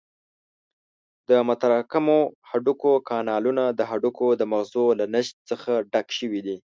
د متراکمو هډوکو کانالونه د هډوکو د مغزو له نسج څخه ډک شوي دي.